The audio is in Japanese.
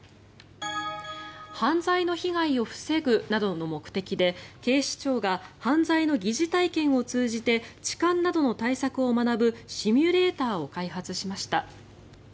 犯罪の被害を防ぐなどの目的で警視庁が犯罪の疑似体験を通じて痴漢などの対策を学ぶシミュレーターを開発しました。